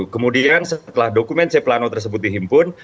kemudian setelah dokumen cep lano tersebut dihimpun